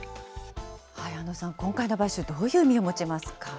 安藤さん、今回の買収、どういう意味を持ちますか。